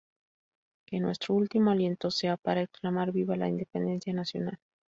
Que nuestro último aliento sea para exclamar viva la Independencia Nacional".